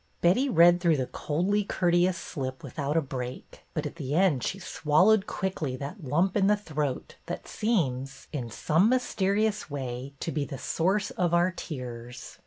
Betty read through the coldly courteous slip without a break, but at the end she swallowed quickly that lump in the throat that seems, in some mysterious way, to be the source of our tears.